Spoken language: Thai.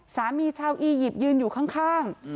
ชาวอียิปต์ยืนอยู่ข้าง